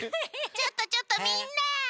ちょっとちょっとみんな！